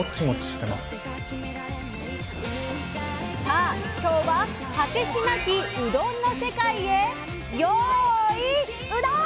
さあ今日は果てしなきうどんの世界へよいうどん！